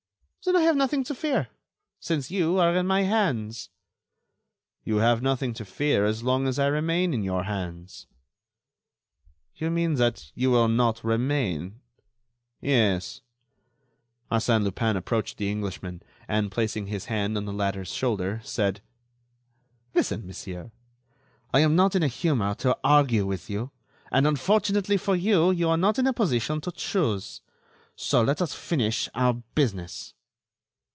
"Then I have nothing to fear, since you are in my hands." "You have nothing to fear as long as I remain in your hands." "You mean that you will not remain?" "Yes." Arsène Lupin approached the Englishman and, placing his hand on the latter's shoulder, said: "Listen, monsieur; I am not in a humor to argue with you, and, unfortunately for you, you are not in a position to choose. So let us finish our business."